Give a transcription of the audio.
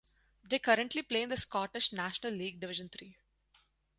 They currently play in the Scottish National League Division Three.